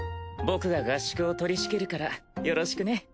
僕が合宿を取り仕切るからよろしくね！